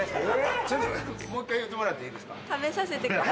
ちょっともう１回言うてもらっていいですか？